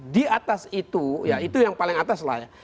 di atas itu ya itu yang paling atas lah ya